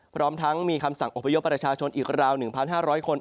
พร้อมทั้งมีคำสั่งอพยพประชาชนอีกราว๑๕๐๐คน